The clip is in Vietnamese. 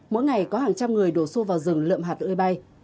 mỗi ngày có hàng trăm người đổ xô vào rừng lượm hạt ơi bay